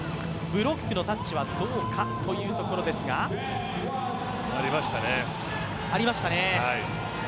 ブロックのタッチはどうかというところですがありましたね。